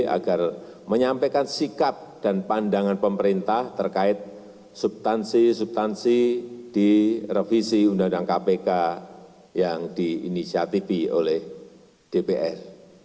agar menyampaikan sikap dan pandangan pemerintah terkait subtansi subtansi di revisi undang undang kpk yang diinisiatifi oleh dpr